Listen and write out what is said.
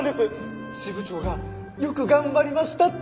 支部長がよく頑張りましたって。